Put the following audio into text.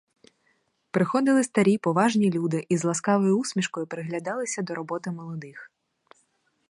Приходили старі, поважні люди і з ласкавою усмішкою приглядалися до роботи молодих.